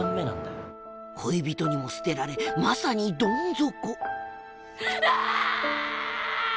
恋人にも捨てられまさにどん底ああーーーっ！